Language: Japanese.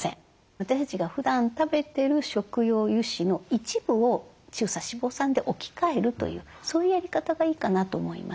私たちがふだん食べてる食用油脂の一部を中鎖脂肪酸で置き換えるというそういうやり方がいいかなと思います。